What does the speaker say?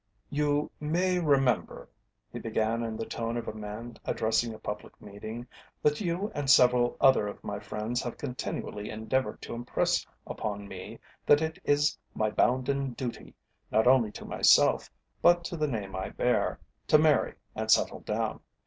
"You may remember," he began in the tone of a man addressing a public meeting, "that you and several other of my friends have continually endeavoured to impress upon me that it is my bounden duty, not only to myself, but to the name I bear, to marry and settle down.